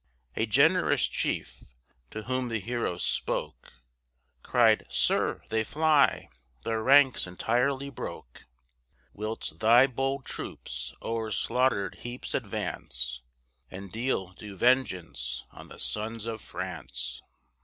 A generous chief, to whom the hero spoke, Cried, "Sir, they fly! their ranks entirely broke: Whilst thy bold troops o'er slaughtered heaps advance, And deal due vengeance on the sons of France."